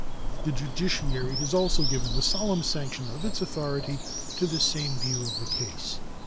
The judiciary has also given the solemn sanction of its authority to the same view of the case.